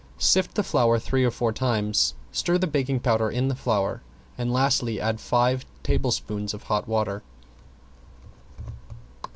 Sift the flour three or four times, stir the baking powder in the flour, and lastly add five tablespoons of hot water.